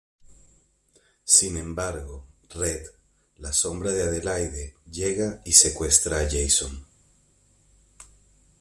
Sin embargo, Red, la sombra de Adelaide, llega y secuestra a Jason.